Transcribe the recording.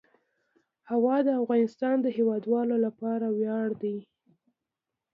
هوا د افغانستان د هیوادوالو لپاره ویاړ دی.